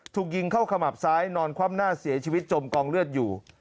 ถูกยิงเข้าขมับซ้ายนอนคว่ำหน้าเสียชีวิตจมกองเลือดอยู่